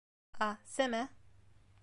a, seme?